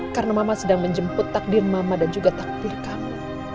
karena mama sedang menjemput takdir mama dan juga takdir kamu